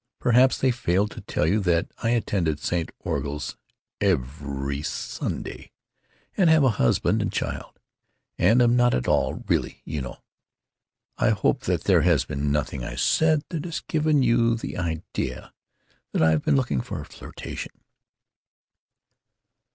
Perhaps they failed to tell you that I attend St. Orgul's evvvv'ry Sunday, and have a husband and child, and am not at all, really, you know. I hope that there has been nothing I said that has given you the idea that I have been looking for a flirtation."